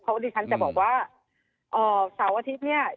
เพราะฉะนั้นจะบอกว่าสำหรับวันอาทิตย์